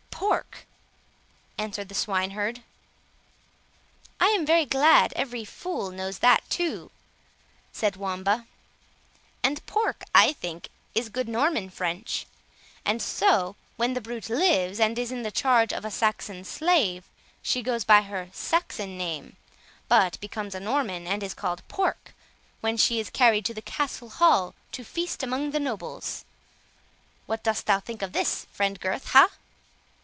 "Pork," answered the swine herd. "I am very glad every fool knows that too," said Wamba, "and pork, I think, is good Norman French; and so when the brute lives, and is in the charge of a Saxon slave, she goes by her Saxon name; but becomes a Norman, and is called pork, when she is carried to the Castle hall to feast among the nobles; what dost thou think of this, friend Gurth, ha?"